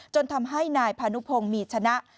จนทำให้นายพานุพงศ์มีชนะ